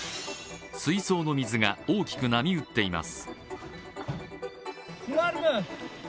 水槽の水が大きく波打っています。